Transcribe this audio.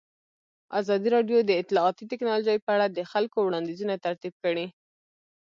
ازادي راډیو د اطلاعاتی تکنالوژي په اړه د خلکو وړاندیزونه ترتیب کړي.